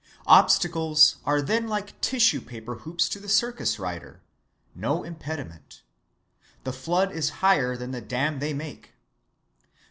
Obstacles are then like tissue‐paper hoops to the circus rider—no impediment; the flood is higher than the dam they make.